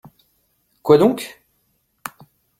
Quoi donc ?